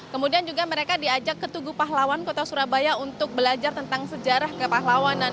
kemudian juga mereka diajak ke tugu pahlawan kota surabaya untuk belajar tentang sejarah kepahlawanan